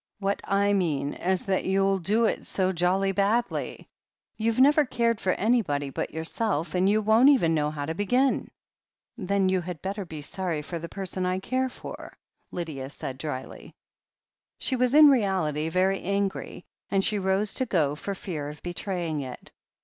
"What / mean is that you'll do it so jolly badly. You've never cared for anybody but yourself, and you won't even know how to begin." "Then you had better be sorry for the person I care for," said Lydia drily. She was in reality very angry, and she rose to go for fear of betraying it.